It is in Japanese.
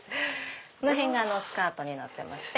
この辺がスカートになってまして